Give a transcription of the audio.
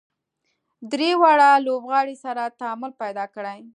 درې واړه لوبغاړي سره تعامل پیدا کړي.